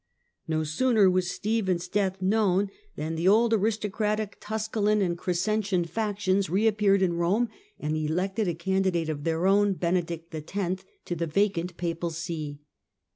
No sooner was Stephen's death known than the old aristo THE WAR OF INVESTITURE 73 cratic Tusculan and Crescentian factions reappeared in Eome, and elected a candidate of their own, Benedict X., to the vacant Papal See.